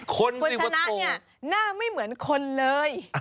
คุณชนะเนี่ยหน้าไม่เหมือนคนเลย